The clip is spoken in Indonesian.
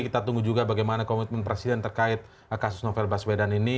kita tunggu juga bagaimana komitmen presiden terkait kasus novel baswedan ini